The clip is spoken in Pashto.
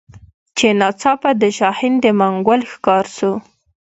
چي ناڅاپه د شاهین د منګول ښکار سو